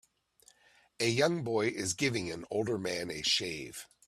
A young boy is giving an older man a shave